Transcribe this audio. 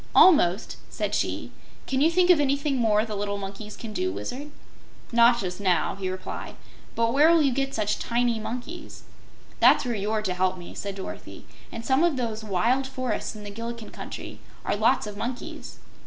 "Almost," said she. "Can you think of anything more the little monkeys can do, Wizard?" "Not just now," he replied. "But where will you get such tiny monkeys?" "That's where you're to help me," said Dorothy. "In some of those wild forests in the Gillikin Country are lots of monkeys."